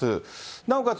なおかつ